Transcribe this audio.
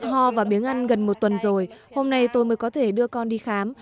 họ và biếng ăn gần một tuần rồi hôm nay tôi mới có thể đưa con đi khám